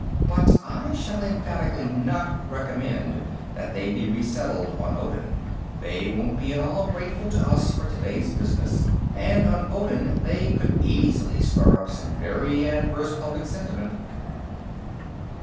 But I shall emphatically not recommend that they be resettled on Odin. They won't be at all grateful to us for today's business, and on Odin they could easily stir up some very adverse public sentiment."